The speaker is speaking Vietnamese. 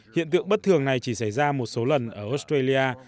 hiện tượng bất thường này chỉ xảy ra một số lần ở australia